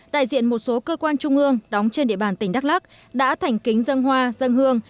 đại diện một số cơ quan trung ương đóng trên địa bàn tỉnh đắk lắc đã thành kính dân hoa dân hương